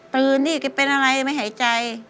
ตื่นนี่แกเป็นอะไรไม่หายใจ